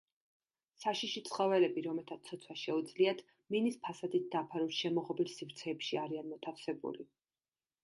საშიში ცხოველები, რომელთაც ცოცვა შეუძლიათ მინის ფასადით დაფარულ შემოღობილ სივრცეებში არიან მოთავსებული.